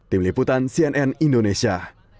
tim liputan cnn indonesia